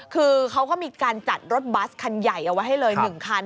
คือเขาก็มีการจัดรถบัสคันใหญ่เอาไว้ให้เลย๑คัน